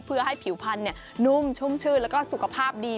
เพื่อให้ผิวพันธุ์นุ่มชุ่มชื่นแล้วก็สุขภาพดี